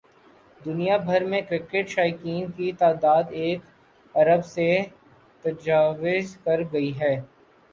دنیا بھر میں کرکٹ شائقین کی تعداد ایک ارب سے تجاوز کر گئی